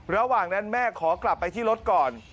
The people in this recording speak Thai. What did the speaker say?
ระหว่างนั้นแม่ขอกลับไปที่รถก่อน